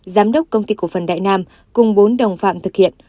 giám đốc công ty cổ phần đại nam cùng bốn đồng phạm thực hiện